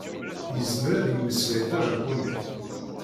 Yezmer ad yemmeslay tajapunit.